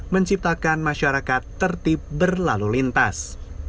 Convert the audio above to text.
menciptakan masyarakat tertib berlalu lintas